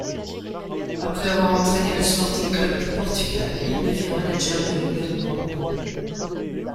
Après avoir entraîné le Sporting Clube de Portugal, il devient manager de Wigan Borough.